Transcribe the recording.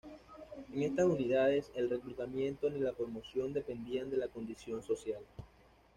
En estas unidades, el reclutamiento ni la promoción dependían de la condición social.